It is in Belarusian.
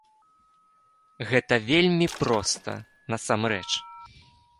Гэта вельмі проста насамрэч.